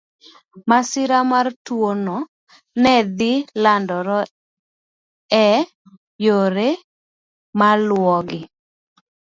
Masira mar tuwono ne dhi landore e yore maluwogi.